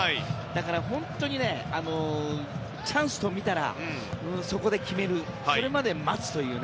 だから本当にチャンスと見たらそこで決める、それまでは待つ。